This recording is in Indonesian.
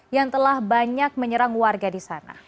yang telah banyak menyerang warga di sana